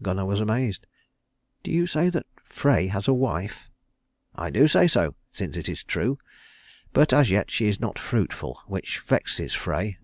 Gunnar was amazed. "Do you say that Frey has a wife?" "I do say so, since it is true. But as yet she is not fruitful, which vexes Frey."